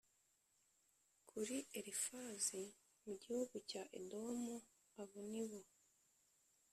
kuri Elifazi mu gihugu cya Edomu abo ni bo